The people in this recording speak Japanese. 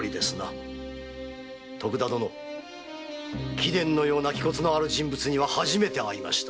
貴殿のような気骨のある人物には初めて会いました。